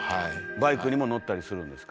バイクにも乗ったりするんですか？